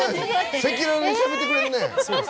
赤裸々にしゃべってくれるね。